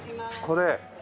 これ。